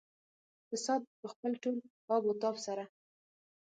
فساد په خپل ټول آب او تاب سره.